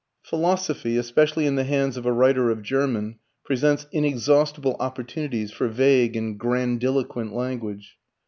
Philosophy, especially in the hands of a writer of German, presents inexhaustible opportunities for vague and grandiloquent language.